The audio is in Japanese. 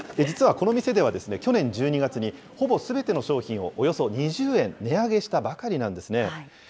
実はこの店では、去年１２月に、ほぼすべての商品をおよそ２０円値上げしたばかりなんですね。